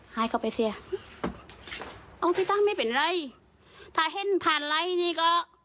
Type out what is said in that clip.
หายเข้าไปเสียเอาไปตั้งไม่เป็นไรถ้าเห็นผ่านไร้นี่ก็